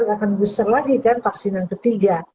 akan booster lagi kan vaksin yang ketiga